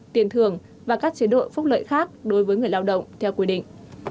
tiền thường và các chế độ phúc lợi khác đối với người lao động theo quy định